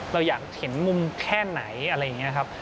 เราอยากเห็นมุมแค่ไหนอะไรอย่างนี้ครับ